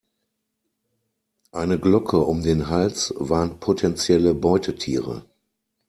Eine Glocke um den Hals warnt potenzielle Beutetiere.